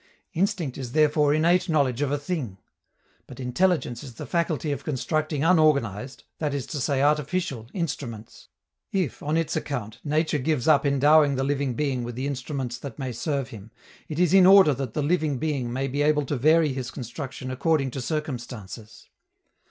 Instinct is therefore innate knowledge of a thing. But intelligence is the faculty of constructing unorganized that is to say artificial instruments. If, on its account, nature gives up endowing the living being with the instruments that may serve him, it is in order that the living being may be able to vary his construction according to circumstances.